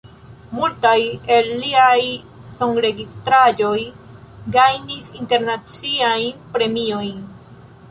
Multaj el liaj sonregistraĵoj gajnis internaciajn premiojn.